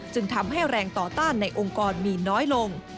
จึงทำให้แรงต่อต้านในองค์กรมีน้อยลง